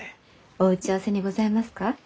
お打ち合わせにございますか？